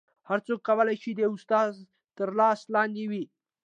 هر څوک کولی شي د یو استاد تر لاس لاندې وي